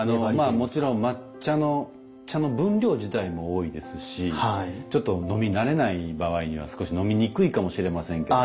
もちろん抹茶の茶の分量自体も多いですしちょっと飲み慣れない場合には少し飲みにくいかもしれませんけれども。